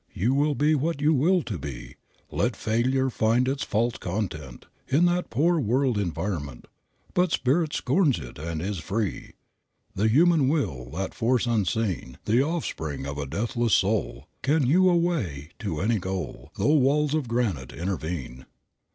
"You will be what you will to be; Let failure find its false content In that poor world 'environment,' But spirit scorns it, and is free. "The human Will, that force unseen, The offspring of a deathless Soul, Can hew a way to any goal, Though walls of granite intervene."